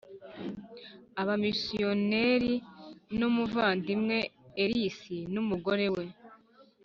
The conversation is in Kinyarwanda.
abamisiyonari n umuvandimwe Ellis n umugore we